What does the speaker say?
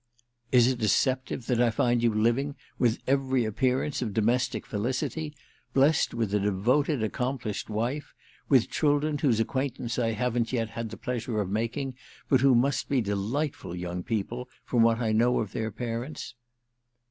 "Is it deceptive that I find you living with every appearance of domestic felicity—blest with a devoted, accomplished wife, with children whose acquaintance I haven't yet had the pleasure of making, but who must be delightful young people, from what I know of their parents?"